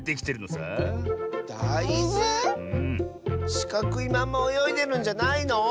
しかくいまんまおよいでるんじゃないの？